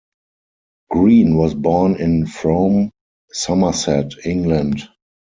Green was born in Frome, Somerset, England.